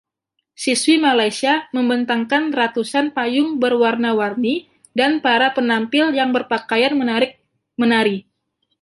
Siswi Malaysia membentangkan ratusan payung berwarna-warni, dan para penampil yang berpakaian menarik menari.